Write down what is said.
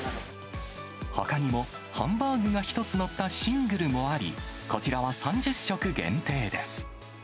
ほかにもハンバーグが１つ載ったシングルもあり、こちらは３０食限定です。